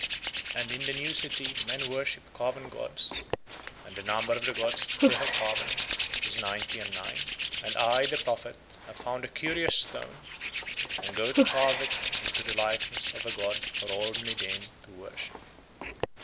And in the new city men worship carven gods, and the number of the gods that they have carven is ninety and nine, and I, the prophet, have found a curious stone and go to carve it into the likeness of a god for all Mlideen to worship.